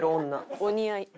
お似合い。